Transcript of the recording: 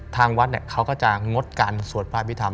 ทางวัดเขาก็จะงดการสวดพระพิธรรม